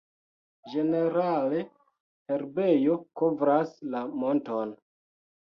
Ĝenerale herbejo kovras la monton.